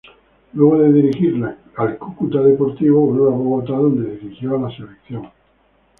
Luego de dirigir al Cúcuta Deportivo, vuelve a Bogotá, donde dirige a la selección.